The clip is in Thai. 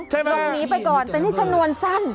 หลบหนีไปก่อนแต่นี่ชนวนสั้น